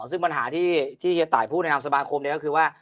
อ๋อซึ่งปัญหาที่ต่ายผู้ในความสมาคมนี้ก็คือว่า